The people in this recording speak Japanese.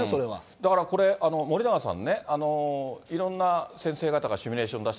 だから、これ、森永さんね、いろんな先生方がシミュレーション出し